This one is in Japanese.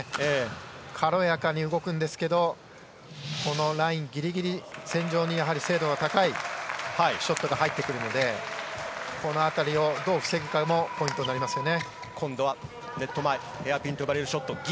軽やかに動くんですがラインギリギリ線上に精度の高いショットが入ってくるのでこの辺りをどう防ぐかもポイントになりますね。